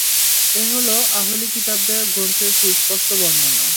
এ হলো আহলি কিতাবদের গ্রন্থের সুস্পষ্ট বর্ণনা।